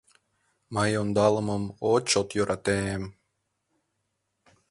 Мый ондалымым о чот йӧратем...»